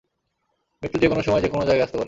মৃত্যু যে কোন সময়, যেকোনো জায়গায় আসতে পারে।